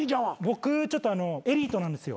僕ちょっとエリートなんですよ。